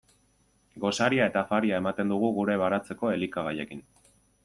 Gosaria eta afaria ematen dugu gure baratzeko elikagaiekin.